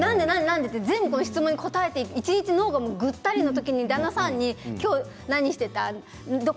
全部質問に答えて一日脳がぐったりする時に旦那さんに、今日何していた？